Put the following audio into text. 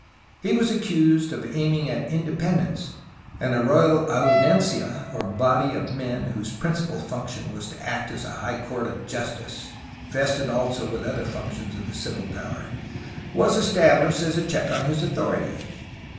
He was accused of aiming at independence, and a royal audiencia (or body of men whose principal function was to act as a high court of justice, but vested also with other functions of the civil power) was established as a check on his authority.